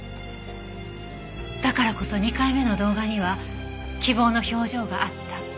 だからこそ２回目の動画には希望の表情があった。